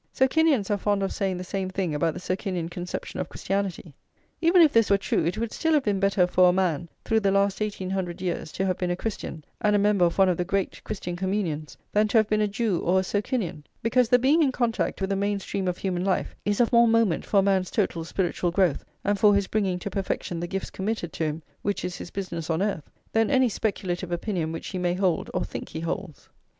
Socinians are fond of saying the same thing about the Socinian conception of Christianity. Even if this were true, it would still have been [xlvii] better for a man, through the last eighteen hundred years, to have been a Christian, and a member of one of the great Christian communions, than to have been a Jew or a Socinian; because the being in contact with the main stream of human life is of more moment for a man's total spiritual growth, and for his bringing to perfection the gifts committed to him, which is his business on earth, than any speculative opinion which he may hold or think he holds.